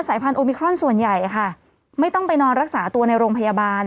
พันธุมิครอนส่วนใหญ่ค่ะไม่ต้องไปนอนรักษาตัวในโรงพยาบาล